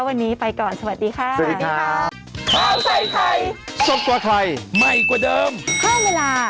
วันนี้ไปก่อนสวัสดีค่ะสวัสดีค่ะ